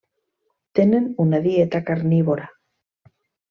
Tenen una dieta carnívora.